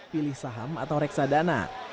pilih saham atau reksadana